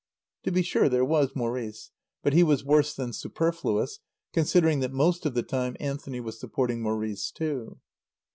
To be sure there was Maurice. But he was worse than superfluous, considering that most of the time Anthony was supporting Maurice, too.